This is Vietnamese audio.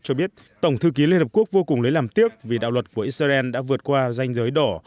cho biết tổng thư ký liên hợp quốc vô cùng lấy làm tiếc vì đạo luật của israel đã vượt qua danh giới đỏ